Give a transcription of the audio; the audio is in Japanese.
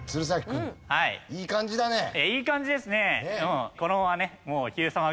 いい感じですね！